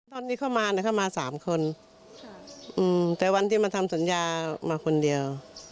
ตอนนี้เข้ามาเนี่ยเข้ามาสามคนแต่วันที่มาทำสัญญามาคนเดียว